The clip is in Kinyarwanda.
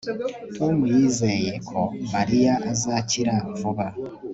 tom yizeye ko mariya azakira vuba